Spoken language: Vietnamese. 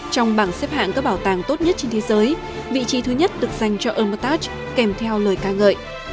trong bảng xếp hạng các bảo tàng tốt nhất trên thế giới vị trí thứ nhất được dành cho hermitage kèm theo lời ca ngợi